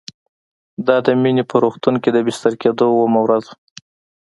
دا د مينې په روغتون کې د بستر کېدو اوومه ورځ وه